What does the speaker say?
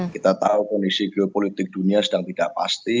kita tahu kondisi geopolitik dunia sedang tidak pasti